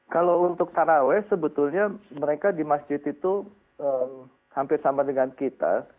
kalau untuk taraweh sebetulnya mereka di masjid itu hampir sama dengan kita